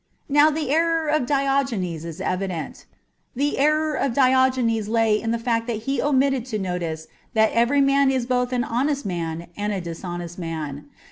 Now the error of Diogenes is evident. The error of Diogenes lay in the fact that he omitted to notice that every man is both an honest man and a dishonest man.